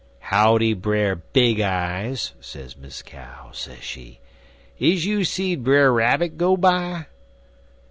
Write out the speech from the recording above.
"'Howdy, Brer Big Eyes,' sez Miss Cow, sez she. 'Is you seed Brer Rabbit go by?'